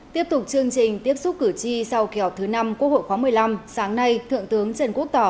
tiếp tục chương trình tiếp xúc cử tri sau kẻo thứ năm quốc hội khóa một mươi năm sáng nay thượng tướng trần quốc tỏ